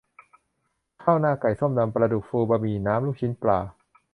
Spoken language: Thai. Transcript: ข้าวหน้าไก่ ส้มตำปลาดุกฟู บะหมี่น้ำลูกชิ้นปลา